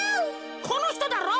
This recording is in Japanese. このひとだろう？